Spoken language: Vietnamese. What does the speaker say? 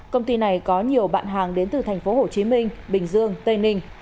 công ty này có nhiều bạn hàng đến từ thành phố hồ chí minh bình dương tây ninh